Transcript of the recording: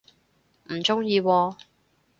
唔鍾意喎